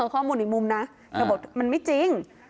ข้อมูลอีกมุมนะเธอบอกมันไม่จริง